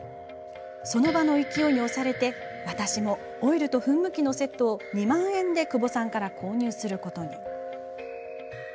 その場の勢いに押されて私もオイルと噴霧器のセットを２万円で久保さんから購入することに。